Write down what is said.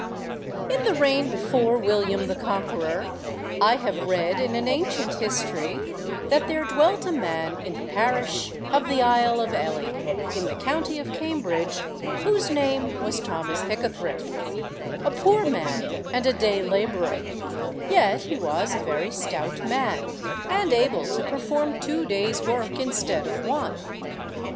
] In the reign before William the Conqueror, I have read in an ancient history that there dwelt a man in the parish of the Isle of Ely, in the county of Cambridge, whose name was Thomas Hickathrift—a poor man and a day–labourer, yet he was a very stout man, and able to perform two days' work instead of one.